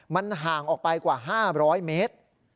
มันห่างออกไปกว่า๕๐๐เมตร